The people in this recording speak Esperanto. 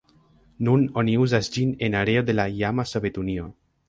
Nun oni uzas ĝin en areo de la iama Sovetunio.